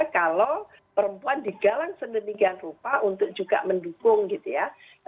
kalau perempuan digalang sedemikian rupa untuk juga mendukung gitu ya